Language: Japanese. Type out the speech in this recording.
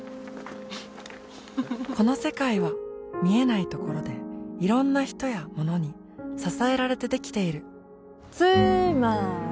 この世界は見えないところでいろんな人やものに支えられてできているつーまーり！